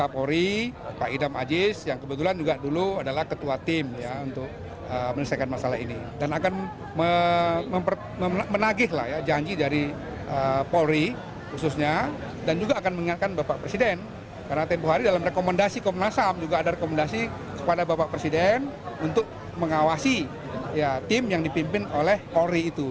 polri khususnya dan juga akan mengingatkan bapak presiden karena tempoh hari dalam rekomendasi komnas ham juga ada rekomendasi kepada bapak presiden untuk mengawasi tim yang dipimpin oleh polri itu